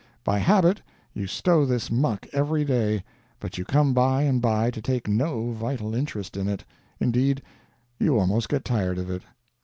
By habit you stow this muck every day, but you come by and by to take no vital interest in it indeed, you almost get tired of it.